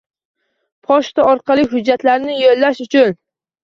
pochta orqali hujjatlarni yo‘llash uchun